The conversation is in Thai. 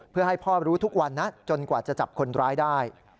เพื่อให้พ่อรู้ทุกวันนะจนกว่าจะจับคนร้ายได้